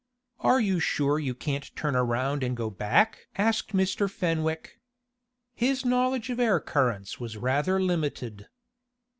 "Are you sure you can't turn around and go back?" asked Mr. Fenwick. His knowledge of air currents was rather limited.